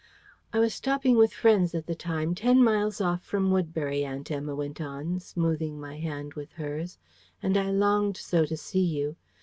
"I was stopping with friends at the time, ten miles off from Woodbury," Aunt Emma went on, smoothing my hand with hers, "and I longed so to see you.